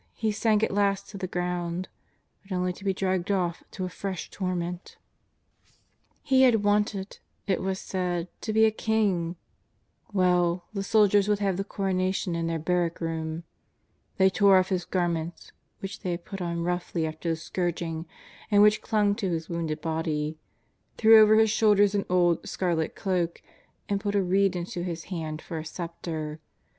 He sank at last to the ground, but only to be dragged off to a fresh torment. JESUS OF NAZARETK. 353 He had wanted, it was said, to be a King; well, the soldiers would have the coronation in their barrack room. Thej tore off His garments, which thej had put on roughly after the scourging and which clung to His wounded body; threw over His shoulders an old, scarlet cloak, and put a reed into His hand for a sceptre.